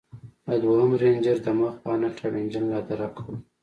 د دويم رېنجر د مخ بانټ او انجن لادرکه و.